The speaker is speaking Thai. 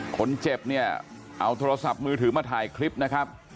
คนเจ็บเนี่ยเอาโทรศัพท์มือถือมาถ่ายคลิปนะครับ